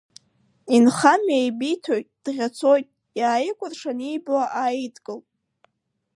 Инхамҩа еибиҭоит, дӷьацоит, иааикәыршан иибо ааидкыл.